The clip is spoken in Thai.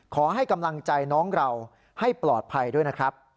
ขอให้กำลังใจน้องเราให้ปลอดภัยด้วยนะครับ